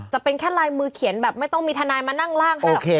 จะเป็นแค่ลายมือเขียนแบบไม่ต้องมีทนายมานั่งล่างให้หรอก